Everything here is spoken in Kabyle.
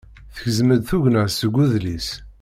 Tegzem-d tugna seg udlis.